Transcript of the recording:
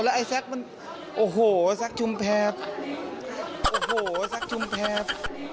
แล้วไอ้แซ็กมันโอ้โหแซ็กชุมแพพโอ้โหแซ็กชุมแพพ